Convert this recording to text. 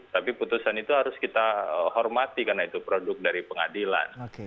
tapi putusan itu harus kita hormati karena itu produk dari pengadilan